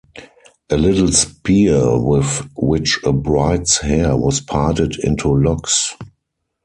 A little spear with which a bride's hair was parted into locks.